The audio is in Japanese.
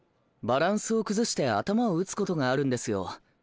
バランスを崩して頭を打つことがあるんですよ。